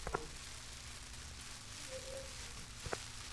তাদের একমাত্র লক্ষ্য থাকে কোনোভাবে এমএ পাস করে সর্বোচ্চ ডিগ্রির সনদ অর্জন।